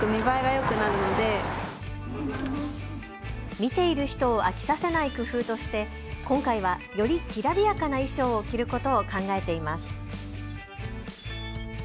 見ている人を飽きさせない工夫として今回はよりきらびやかな衣装を着ることを考えています。